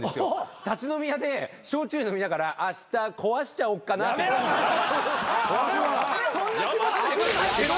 立ち飲み屋で焼酎飲みながら「あした壊しちゃおうかな」やめろ！そんな気持ちで来るな。